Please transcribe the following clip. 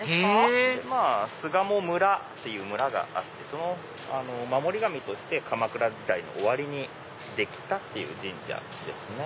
巣鴨村っていう村があってその守り神として鎌倉時代の終わりにできた神社ですね。